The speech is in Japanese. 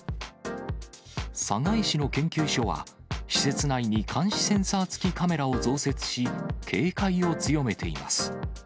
寒河江市の研究所は、施設内に監視センサー付きカメラを増設し、警戒を強めています。